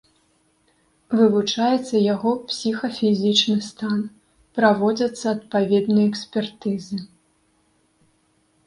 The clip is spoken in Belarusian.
Вывучаецца яго псіхафізічны стан, праводзяцца адпаведныя экспертызы.